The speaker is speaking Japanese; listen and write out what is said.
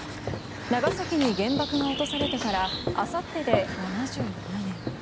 長崎に原爆が落とされてからあさってで７７年。